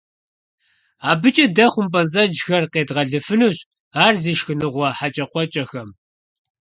АбыкӀэ дэ хъумпӀэцӀэджхэр къедгъэлыфынущ ар зи шхыныгъуэ хьэкӀэкхъуэкӀэхэм.